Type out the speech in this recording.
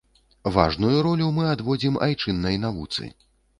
Важную ролю мы адводзім айчыннай навуцы.